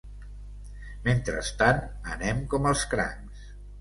Mentrestant, anem com els crancs.